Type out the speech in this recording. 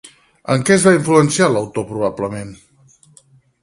En què es va influenciar l'autor probablement?